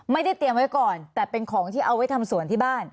ไม่ได้เตรียมไว้ก่อนแต่เป็นของที่เอาไว้ทำสวนที่บ้าน